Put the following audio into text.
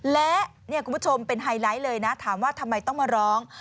และเนี่ยคุณผู้ชมเป็นไฮไลท์เลยนะถามว่าทำไมต้องมาร้อง